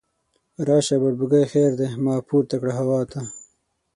راشه بړبوکۍ خیر دی، ما پورته کړه هوا ته